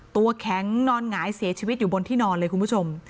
ตัวแข็งนอนหงายเสียชีวิตอยู่บนที่นอนเลยคุณผู้ชม